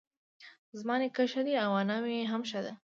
زما نيکه ښه دی اؤ انا مي هم ښۀ دۀ